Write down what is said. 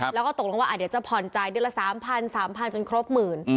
แล้วก็ตกลงว่าเดี๋ยวจะผ่อนจ่ายเดือนละ๓๐๐๓๐๐จนครบหมื่น